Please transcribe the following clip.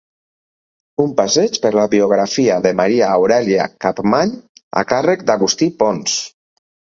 Un passeig per la biografia de Maria Aurèlia Capmany a càrrec d'Agustí Pons.